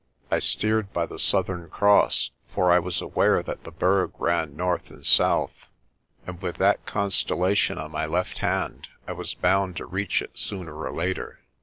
I steered by the Southern Cross for I was aware that the Berg ran north and south, and with that constellation on my left hand I was bound to reach it sooner or later.